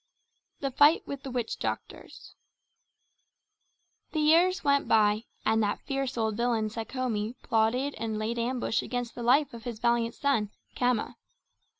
The Fight with the Witch doctors The years went by; and that fierce old villain Sekhome plotted and laid ambush against the life of his valiant son, Khama.